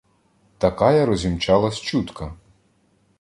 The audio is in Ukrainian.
Такая розімчалась чутка